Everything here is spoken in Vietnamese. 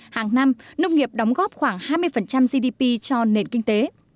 hàng năm nông nghiệp đóng góp khoảng hai mươi gdp cho nền kinh tế